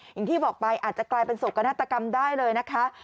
อย่างที่บอกไปอาจจะกลายเป็นโศกนาฏกรรมได้เลยนะคะ